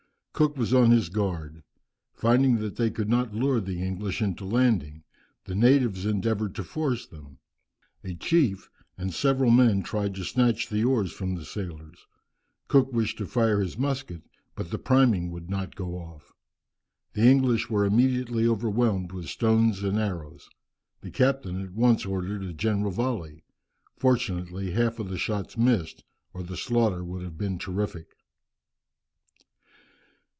Cook was on his guard. Finding that they could not lure the English into landing, the natives endeavoured to force them. A chief and several men tried to snatch the oars from the sailors. Cook wished to fire his musket, but the priming would not go off. The English were immediately overwhelmed with stones and arrows. The captain at once ordered a general volley; fortunately half of the shots missed, or the slaughter would have been terrific.